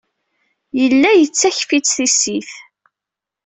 Yella yettakf-itt i tissit.